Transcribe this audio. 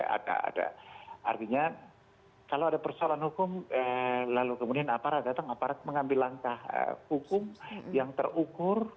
ada artinya kalau ada persoalan hukum lalu kemudian aparat datang aparat mengambil langkah hukum yang terukur